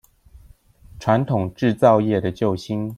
傳統製造業的救星